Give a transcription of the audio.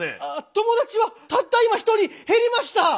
友達はたった今１人減りました！